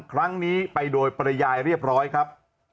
ครั้งนี้ไปโดยปริยายเรียบร้อยครับ